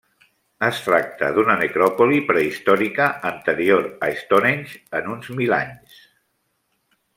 Es tracta d'una necròpoli prehistòrica anterior a Stonehenge en uns mil anys.